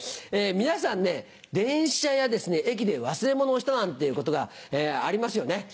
皆さんね電車や駅で忘れ物をしたなんていうことがありますよね。